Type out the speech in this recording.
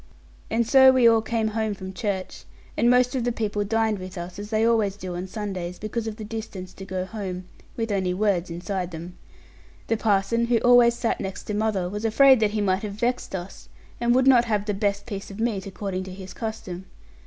And so we all came home from church; and most of the people dined with us, as they always do on Sundays, because of the distance to go home, with only words inside them. The parson, who always sat next to mother, was afraid that he might have vexed us, and would not have the best piece of meat, according to his custom.